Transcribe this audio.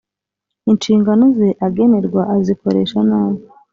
Inshingano ze agenerwa azikoresha nabi.